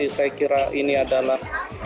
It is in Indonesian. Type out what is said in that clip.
saya kira ini adalah